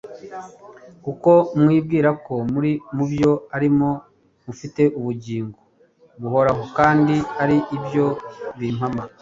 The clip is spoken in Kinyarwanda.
kuko mwibwira ko muri byo arimo mufite ubugingo buhoraho kandi ari byo bimpampa"